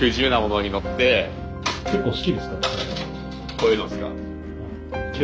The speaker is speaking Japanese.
こういうのですか？